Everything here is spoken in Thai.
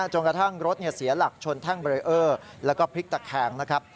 จนกระทั่งรถเสียหลักชนแท่งเบรเออร์แล้วก็พลิกตะแคงนะครับ